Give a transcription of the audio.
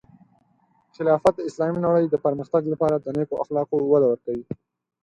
خلافت د اسلامی نړۍ د پرمختګ لپاره د نیکو اخلاقو وده ورکوي.